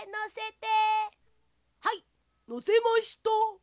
はいのせました！